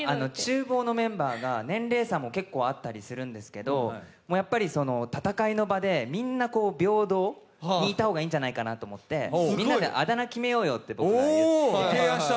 厨房のメンバーが、年齢差も結構あったりするんですけれど、やっぱり戦いの場でみんな平等にいた方がいいんじゃないかなと思って、みんなであだ名決めようって。